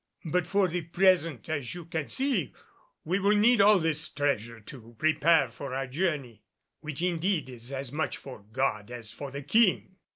But for the present, as you can see, we will need all of this treasure to prepare for our journey, which indeed is as much for God as for the King."